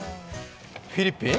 フィリピン？